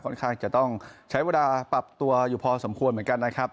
ข้างจะต้องใช้เวลาปรับตัวอยู่พอสมควรเหมือนกันนะครับ